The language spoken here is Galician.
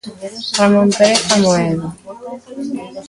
Ramón Pérez Amoedo.